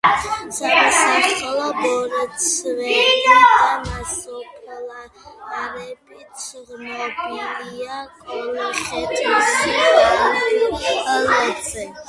სამოსახლო ბორცვები და ნასოფლარები ცნობილია კოლხეთის დაბლობზე.